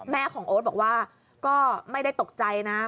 ของโอ๊ตบอกว่าก็ไม่ได้ตกใจนะ